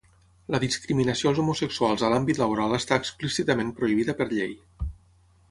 La discriminació als homosexuals a l'àmbit laboral està explícitament prohibida per llei.